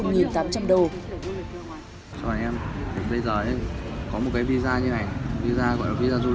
trời ơi em với bây giờ ấy